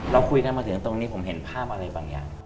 เราคุยกันมาถึงตรงนี้ผมเห็นภาพอะไรบางอย่าง